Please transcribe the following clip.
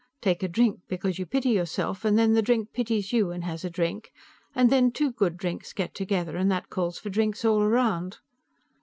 Take a drink because you pity yourself, and then the drink pities you and has a drink, and then two good drinks get together and that calls for drinks all around.